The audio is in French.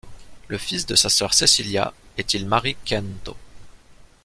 Le fils de sa sœur Cécilia est Ilmari Kianto.